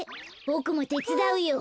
ボクもてつだうよ。